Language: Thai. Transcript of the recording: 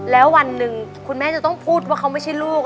แล้ววันหนึ่งคุณแม่จะต้องพูดว่าเขาไม่ใช่ลูก